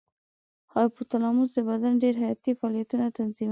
هایپو تلاموس د بدن ډېری حیاتي فعالیتونه تنظیموي.